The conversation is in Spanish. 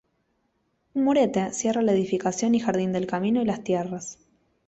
Un murete cierra la edificación y jardín del camino y las tierras.